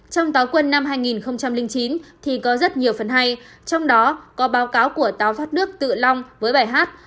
trong táo quân năm hai nghìn chín thì có rất nhiều phần hay trong đó có báo cáo của táo phát nước tự long với bài hát